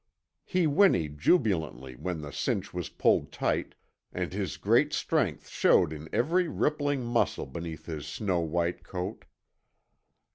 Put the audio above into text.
He whinnied jubilantly when the cinch was pulled tight, and his great strength showed in every rippling muscle beneath his snow white coat.